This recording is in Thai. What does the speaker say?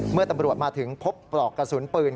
เมื่อตำรวจมาถึงพบปลอกกระสุนปืน